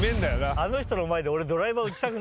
あの人の前で俺。